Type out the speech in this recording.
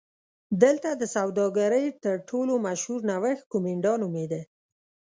دلته د سوداګرۍ تر ټولو مشهور نوښت کومېنډا نومېده